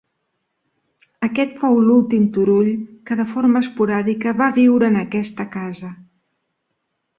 Aquest fou l'últim Turull que, de forma esporàdica, va viure en aquesta casa.